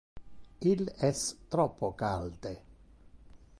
Il es troppo calde.